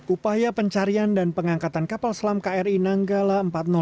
upaya pencarian dan pengangkatan kapal selam kri nanggala empat ratus dua